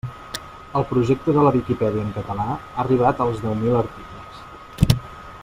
El projecte de la Viquipèdia en català ha arribat als deu mil articles.